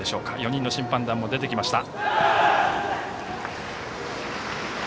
４人の審判団も出てきました。